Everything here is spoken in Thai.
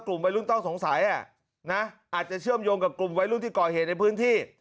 วัยรุ่นต้องสงสัยอาจจะเชื่อมโยงกับกลุ่มวัยรุ่นที่ก่อเหตุในพื้นที่